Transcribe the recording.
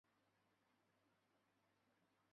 将成为钱江新城的地标性建筑。